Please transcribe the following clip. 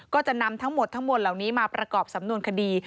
ก็จะนำทั้งหมดทั้งหมดเหล่านี้มาประกอบสำนวนคดี